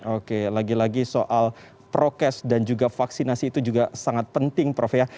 oke lagi lagi soal prokes dan juga vaksinasi itu juga sangat penting prof ya